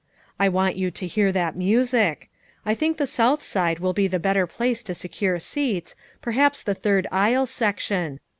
I want you to hear that music, I think the south side will be the better place to secure seats, perhaps the third aisle section.